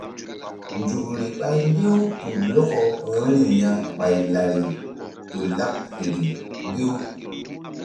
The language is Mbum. Nzukri ɓa ŋgi̧-u tu lɔkɔ vbiri ya ɓay lari ƴo laɓ feri riw.